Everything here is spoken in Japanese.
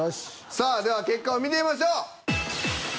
さあでは結果を見てみましょう。